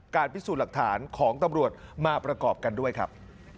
พิสูจน์หลักฐานของตำรวจมาประกอบกันด้วยครับ